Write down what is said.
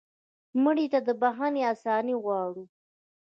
مړه ته د بښنې آساني غواړو